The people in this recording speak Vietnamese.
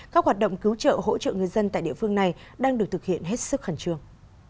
các hoạt động cứu trợ hỗ trợ người dân tại địa phương này đang được thực hiện hết sức khẩn trương